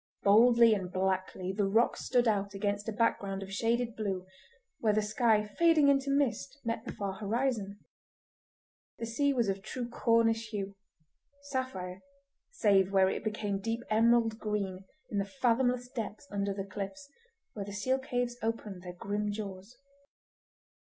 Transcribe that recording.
Boldly and blackly the rock stood out against a background of shaded blue, where the sky fading into mist met the far horizon. The sea was of true Cornish hue—sapphire, save where it became deep emerald green in the fathomless depths under the cliffs, where the seal caves opened their grim jaws.